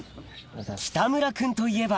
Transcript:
北村君といえば